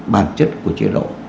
bản chất của chế độ